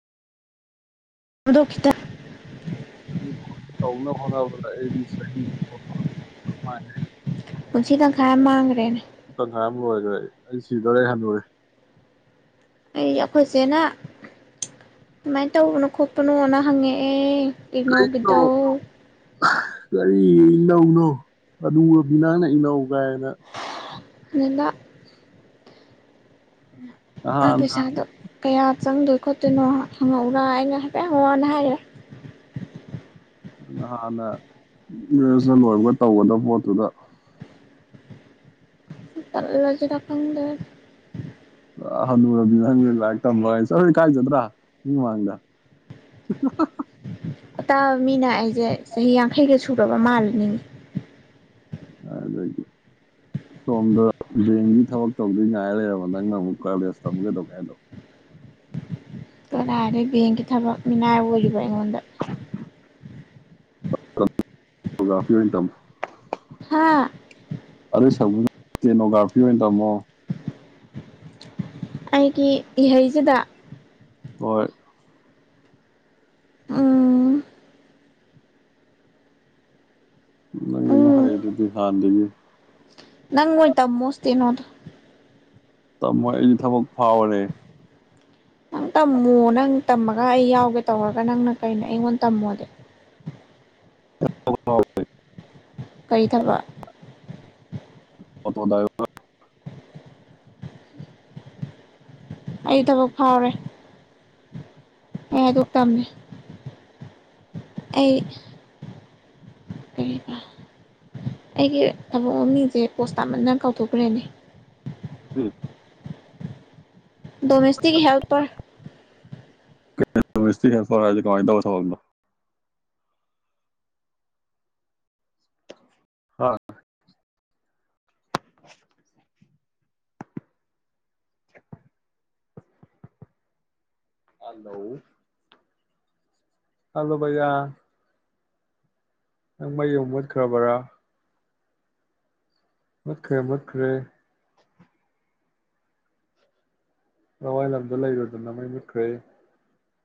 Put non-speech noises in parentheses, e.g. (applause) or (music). ꯑꯗꯣ ꯈꯤꯇꯪ (inaudible) ꯇꯧꯅꯕ ꯍꯣꯠꯅꯕꯗ ꯑꯩꯗꯤ ꯆꯍꯤ ꯆꯨꯞꯄꯃ ꯃꯥꯡꯉꯦ ꯄꯨꯟꯁꯤ ꯇꯡꯈꯥꯏ ꯑꯃ ꯃꯥꯡꯒ꯭ꯔꯦꯅꯦ ꯍꯣꯏ ꯍꯣꯏ ꯑꯩ ꯁꯤꯗꯣꯔꯦ ꯍꯅꯨꯔꯦ ꯑꯩ ꯑꯈꯣꯏꯆꯦꯅ ꯀꯃꯥꯏ ꯇꯧꯕꯅꯣ ꯈꯣꯠꯄꯅꯣꯅ ꯍꯪꯉꯛꯑꯦ ꯏꯒꯅꯧꯒꯤꯗꯣ ꯀꯔꯤ ꯏꯒꯅꯧꯅꯣ ꯍꯅꯨꯔꯕꯤ ꯅꯪꯅ ꯏꯅꯧ ꯀꯥꯏꯅ (unintelligible) ꯃꯥ ꯅꯍꯥꯟꯅ ꯄꯩꯁꯥꯗꯣ ꯀꯌꯥ ꯆꯪꯗꯣꯏ ꯈꯣꯠꯇꯣꯏꯅꯣ ꯍꯪꯉꯛꯎꯔꯥ ꯑꯩꯅ ꯍꯥꯏꯐꯦꯠ ꯍꯪꯉꯛꯑꯣꯅ ꯍꯥꯏꯒꯔꯦ ꯅꯣꯍꯥꯟꯅ ꯒ꯭ꯔꯦꯖꯨꯌꯦꯁꯟ ꯂꯣꯏꯕꯒ ꯇꯧꯒꯗꯕ ꯄꯣꯠꯇꯨꯗ ꯇꯜꯂꯖꯤꯔ ꯈꯪꯗꯦ ꯑ ꯍꯅꯨꯔꯕꯤ ꯅꯪꯅ ꯂꯥꯢꯔꯤꯛ ꯇꯝꯕꯀꯥꯢ ꯆꯂꯨ ꯀꯥꯏꯖꯗ꯭ꯔꯥ ꯃꯤ ꯃꯃꯥꯡꯗ ꯍꯍ ꯑꯇꯥꯕ ꯃꯤꯅ ꯑꯩꯖꯦ ꯆꯍꯤ ꯌꯥꯡꯈꯩꯒ ꯁꯨꯔꯕ ꯃꯥꯜꯂꯅꯤꯃꯤ ꯑꯗꯒꯤ ꯁꯣꯝꯗ ꯕꯦꯡꯒꯤ ꯊꯕꯛ ꯇꯧꯗꯨꯏ ꯉꯥꯏꯔ ꯂꯩꯔꯕ ꯅꯪꯅ ꯑꯃꯨꯛ ꯀꯔꯂꯦꯁ ꯇꯝꯃ ꯀꯩꯗꯧꯒꯦ ꯍꯥꯏꯅꯣ ꯀꯅꯥꯗꯩ ꯕꯦꯡꯛꯀꯤ ꯊꯕꯛ ꯃꯤꯅꯥꯏ ꯑꯣꯏꯔꯤꯕ ꯑꯩꯉꯣꯟꯗ ꯅꯣꯒ꯭ꯔꯥꯐꯤ ꯑꯣꯢꯟ ꯇꯝꯃꯨ ꯍꯥ (unintelligible) ꯇꯦꯅꯣꯒ꯭ꯔꯥꯐꯤ ꯑꯣꯏꯟ ꯇꯝꯃꯣ ꯑꯩꯒꯤ ꯏꯍꯩꯁꯤꯗ ꯍꯣꯢ ꯎꯝꯝ ꯅꯪꯗꯤ ꯑꯗꯨꯝ ꯎꯝ ꯍꯩꯔꯗꯨꯗꯤ ꯍꯥꯟꯗꯒꯤ ꯅꯪ ꯑꯣꯢ ꯇꯝꯃꯣ ꯁ꯭ꯇꯦꯅꯣꯗꯣ ꯇꯝꯃꯣꯏ ꯑꯩꯗꯤ ꯊꯕꯛ ꯐꯥꯎꯔꯦ ꯅꯪ ꯇꯝꯃꯣ ꯅꯪ ꯇꯝꯃꯒ ꯑꯩ ꯌꯥꯎꯒꯦ ꯇꯧꯔꯒ ꯅꯪꯅ ꯀꯩꯅꯣ ꯑꯩꯉꯣꯟ ꯇꯝꯃꯣꯗꯤ (inaudible) ꯀꯩ ꯊꯕꯛ ꯑꯣꯇꯣ ꯗꯥꯢ (inaudible) ꯑꯩ ꯊꯕꯛ ꯐꯥꯎꯔꯦ ꯑꯩ ꯍꯥꯢꯗꯣꯛꯇꯝꯅꯦ ꯑꯩ ꯀꯔꯤ (inaudible) ꯑꯩꯒꯤ ꯊꯕꯛ ꯃꯃꯤꯡꯁꯦ ꯄꯣꯁ ꯇꯥꯃꯟꯗꯅ ꯀꯥꯎꯊꯣꯛꯈ꯭ꯔꯦꯅꯦ (inaudible) ꯗꯣꯃꯦꯁꯇꯤꯛ ꯍꯦꯜꯄ꯭ꯔ (inaudible) ꯗꯣꯃꯦꯁꯇꯤꯛ ꯍꯦꯜꯄ꯭ꯔ ꯍꯥꯢꯁꯦ ꯀꯃꯥꯢ ꯇꯧꯕ ꯊꯕꯛꯅꯣ ꯍꯥ (inaudible) ꯍꯥꯂꯣ ꯍꯜꯂꯣ ꯕꯌꯥ ꯅꯪ ꯃꯩ ꯑꯃꯨꯛ ꯃꯨꯠꯈ꯭ꯔꯕꯔꯥ ꯃꯨꯠꯈ꯭ꯔꯦ ꯃꯨꯠꯈ꯭ꯔꯦ ꯂꯋꯥꯏ ꯂꯝꯗ ꯂꯩꯔꯨꯗꯅ ꯃꯩ ꯃꯨꯠꯈ꯭ꯔꯦ